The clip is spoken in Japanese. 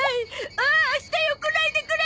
ああ明日よ来ないでくれ！